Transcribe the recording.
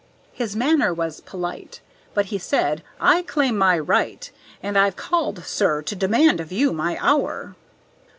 His manner was polite, But he said, "I claim my right! And I've called, sir, to demand of you my hour."